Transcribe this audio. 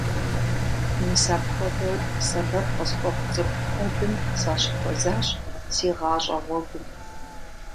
Мис апхуэдэу сэбэп къысхуэхъу цӀыху куэдым сащыхуэзащ си гъащӀэ гъуэгум.